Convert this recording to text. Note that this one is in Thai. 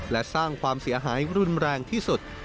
และสร้างความเสียหายรุนแรงที่สุด